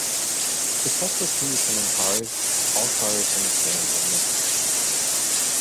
Except for two returning cars, all cars in this game are new.